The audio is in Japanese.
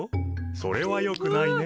それはよくないね。